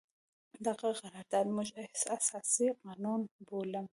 دغه قرارداد موږ اساسي قانون بولو.